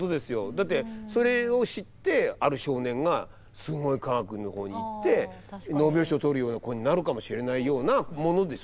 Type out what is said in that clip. だってそれを知ってある少年がすごい科学のほうに行ってノーベル賞を取るような子になるかもしれないようなものでしょ？